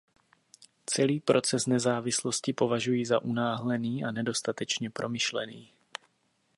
Celý proces nezávislosti považuji za unáhlený a nedostatečně promyšlený.